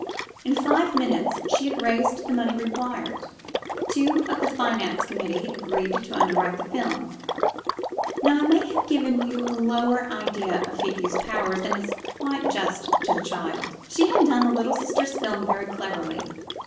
In five minutes she had raised the money required ; two of the finance com mittee agreed to underwrite the film. Now I may have given you a lower idea of Fifi's powers than is quite just to the child ; she had done the Little Sisters' fiilm very cleverly.